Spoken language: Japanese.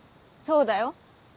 そうだよ。